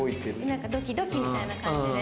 なんかドキドキみたいな感じで。